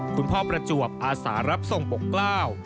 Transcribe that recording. คุณพ่อประจวบอาสารับส่งปกกล้าว